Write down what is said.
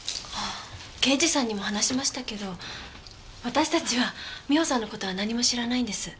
刑事さんにも話しましたけど私たちは美帆さんの事は何も知らないんです。